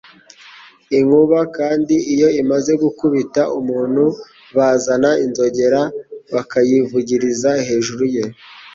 Inkuba kandi iyo imaze gukubita umuntu, bazana inzogera bakayivugiriza hejuru ye,